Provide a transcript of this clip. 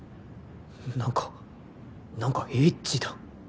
何か何かエッチだ